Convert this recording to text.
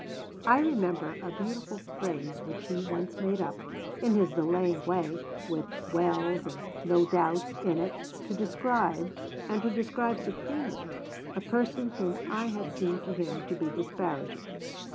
I remember a beautiful phrase which he once made up, in his delaying way, with 'wells' and 'no doubts' in it, to describe, and to describe supremely, a person whom I had seemed to him to be disparaging.